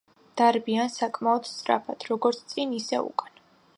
დარბიან საკმაოდ სწრაფად როგორც წინ, ისე უკან.